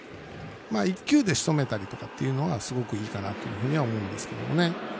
１球でしとめたりとかっていうのは、すごくいいかなと思うんですけどね。